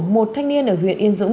một thanh niên ở huyện yên dũng